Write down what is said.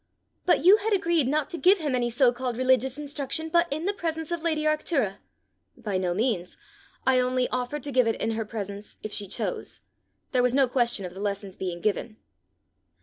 "But you had agreed not to give him any so called religious instruction but in the presence of lady Arctura!" "By no means. I only offered to give it in her presence if she chose. There was no question of the lessons being given."